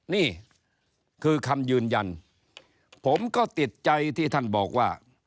นี่คือคำยืนยันผมก็ติดใจที่ท่านบอกว่า